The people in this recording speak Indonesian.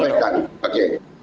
saya sampaikan oke